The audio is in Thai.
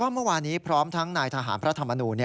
เมื่อวานี้พร้อมทั้งนายทหารพระธรรมนูล